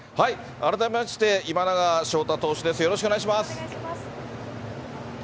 改めまして、今永昇太投手でお願いします。